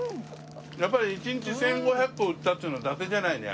やっぱり１日１５００個売ったっていうのはだてじゃないね